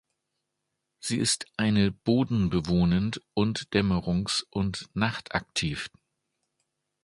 Sie ist eine bodenbewohnend und dämmerungs- und nachtaktiv.